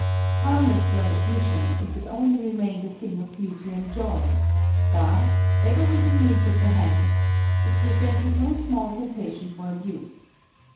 Harmless were its mission, if it only remained a thing of beauty and joy! But, ever within reach of the hand, it presented no small temptation for abuse.